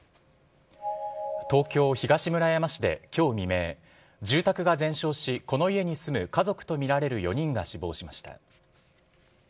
東京・東村山市できょう未明、住宅が全焼し、この家に住む家族と見られる４人が死亡しました。